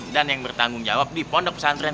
dan yang bertanggung jawab di pondok pesantren